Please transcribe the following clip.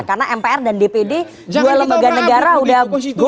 karena mpr dan dpd dua lembaga negara sudah goyang